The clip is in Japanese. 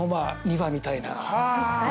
庭みたいな感じの。